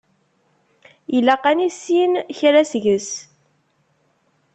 Ilaq ad nissin kra seg-s.